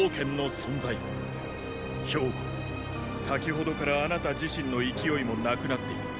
公先ほどからあなた自身の勢いもなくなっている。